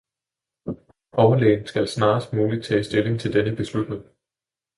Overlægen skal snarest muligt tage stilling til denne beslutning